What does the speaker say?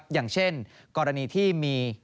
อย่างเช่นกรณีที่มี